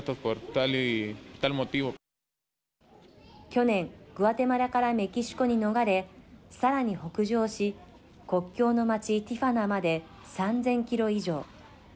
去年グアテマラからメキシコに逃れさらに北上し国境の町ティファナまで３０００キロ以上。